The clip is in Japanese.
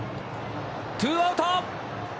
ツーアウト。